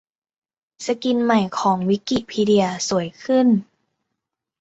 สกินใหม่ของ วิกิพีเดีย สวยขึ้น